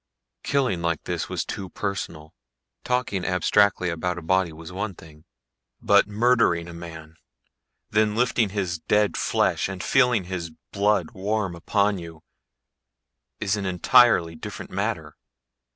Killing like this was too personal. Talking abstractedly about a body was one thing, but murdering a man, then lifting his dead flesh and feeling his blood warm upon you is an entirely different matter.